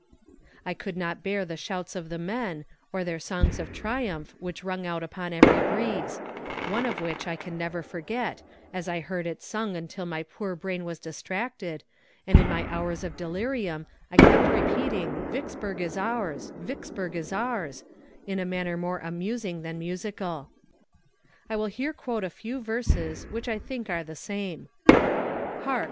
I could not bear the shouts of the men, or their songs of triumph which rung out upon every breeze one of which I can never forget, as I heard it sung until my poor brain was distracted, and in my hours of delirium I kept repeating "Vicksburg is ours," "Vicksburg is ours," in a manner more amusing than musical. I will here quote a few verses which I think are the same: Hark!